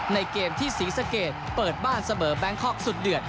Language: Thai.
ในเกมที่ศรีสะเกดเปิดบ้านเสมอแบงคอกสุดเดือด